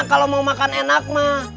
kalo mau makan enak mas